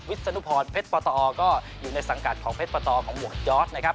ศนุพรเพชรปตอก็อยู่ในสังกัดของเพชรปตของหมวกยอดนะครับ